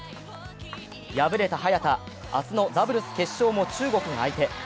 敗れた早田、明日のダブルス決勝も中国が相手。